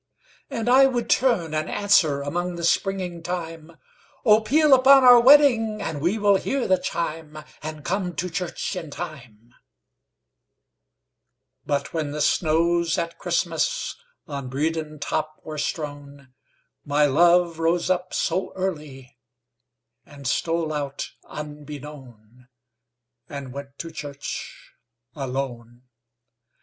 And I would turn and answerAmong the springing thyme,'Oh, peal upon our wedding, And we will hear the chime, And come to church in time.'But when the snows at ChristmasOn Bredon top were strown, My love rose up so earlyAnd stole out unbeknownAnd went to church alone.